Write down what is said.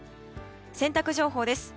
洗濯情報です。